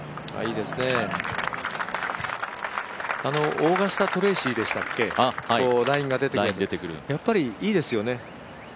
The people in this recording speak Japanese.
オーガスタトレーシーでしたっけ、ラインが出てくる、やっぱりいいですよね。